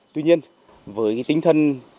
tuy nhiên với tính thân